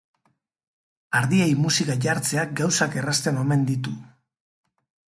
Ardiei musika jartzeak gauzak errazten omen ditu.